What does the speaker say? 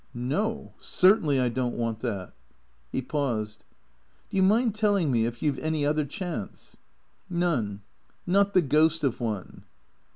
" No. Certainly I don't want that." He paused. " Do you mind telling me if you 've any other chance ?"" None. Not the ghost of one."